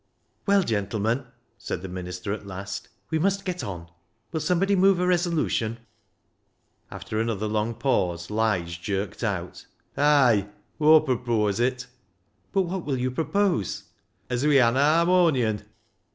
" Well, gentlemen," said the minister at last, " we must get on. Will somebody move a resolution ?" After another long pause, Lige jerked out —" Ay ! Aw'll pro poase it." " But what will you propose ?"" As we han a harmonion."